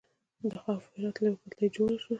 د خواف هرات ریل پټلۍ جوړه شوه.